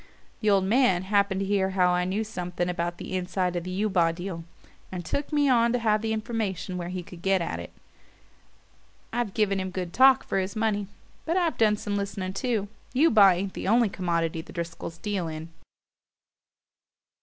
The old man happened to hear I knew something about the inside of the Eubaw deal, and took me on to have the information where he could get at it. I've given him good talk for his money; but I've done some listening too. Eubaw ain't the only commodity the Driscolls deal in."